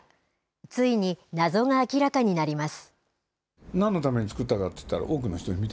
ついに謎が明らかになります。